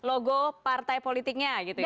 logo partai politiknya gitu ya